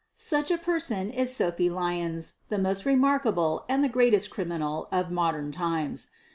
Such a person is Sophie Lyons, the most remark able and the greatest criminal of modern times.